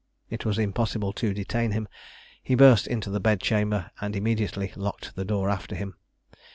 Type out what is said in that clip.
It was impossible to detain him: he burst into the bed chamber, and immediately locked the door after him.